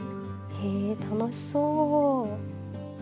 へえ楽しそう。